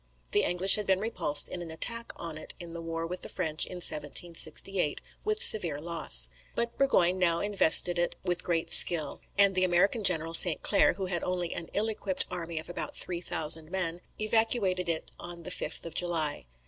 The English had been repulsed in an attack on it in the war with the French in 1768 with severe loss. But Burgoyne now invested it with great skill; and the American general, St. Clair, who had only an ill equipped army of about three thousand men, evacuated it on the 5th of July.